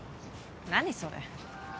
何それ？